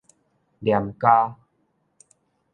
黏膠